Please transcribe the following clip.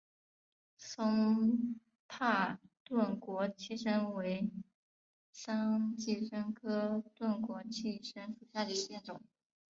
松柏钝果寄生为桑寄生科钝果寄生属下的一个变种。